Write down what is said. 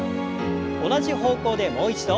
同じ方向でもう一度。